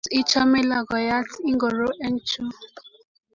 Tos ichame logoyat ingoro eng' chu?